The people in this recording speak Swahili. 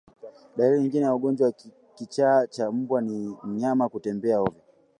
Dalili nyingine ya ugonjwa wa kichaa cha mbwa ni mnyama kutembea ovyo